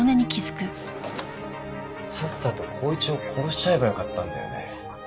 さっさと公一を殺しちゃえばよかったんだよね。